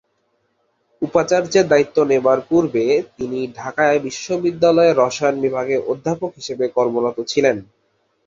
উপাচার্যের দায়িত্ব নেয়ার পূর্বে তিনি ঢাকা বিশ্ববিদ্যালয়ের রসায়ন বিভাগের অধ্যাপক হিসেবে কর্মরত ছিলেন।